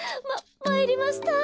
まいりました。